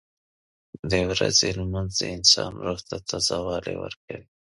• د ورځې لمونځ د انسان روح ته تازهوالی ورکوي.